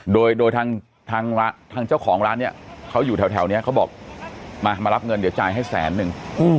โดยทางเจ้าของร้านเนี่ยเขาอยู่แถวนี้เขาบอกมารับเงินเดี๋ยวจ่ายให้แสนนึง